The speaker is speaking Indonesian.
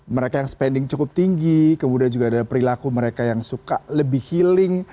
mereka yang spending cukup tinggi kemudian juga ada perilaku mereka yang suka lebih healing